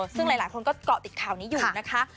ซึ่งหลายคนก็เกาะติดข่าวนี้อยู่นะคะ